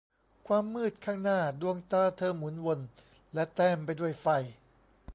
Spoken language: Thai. ความมืดข้างหน้าดวงตาเธอหมุนวนและแต้มไปด้วยไฟ